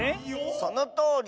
そのとおり。